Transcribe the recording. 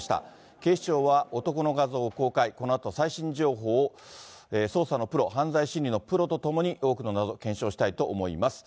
警視庁は男の画像を公開、このあと最新情報を捜査のプロ、犯罪心理のプロと共に、多くの謎、検証したいと思います。